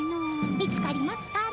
見つかりますかね。